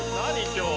今日。